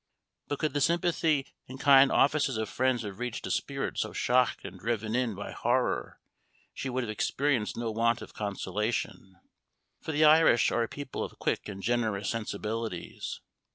But could the sympathy and kind offices of friends have reached a spirit so shocked and driven in by horror, she would have experienced no want of consolation, for the Irish are a people of quick and generous sensibilities.